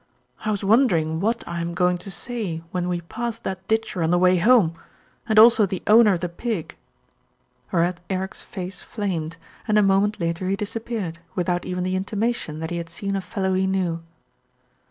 "I was wondering what I am going to say when we pass that ditcher on the way home, and also the owner of the pig," whereat Eric's face flamed, and a moment later he disappeared, without even the intimation that he had seen a fellow he knew.